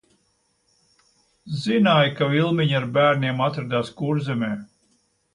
Zināju, ka Vilmiņa ar bērniem atradās Kurzemē.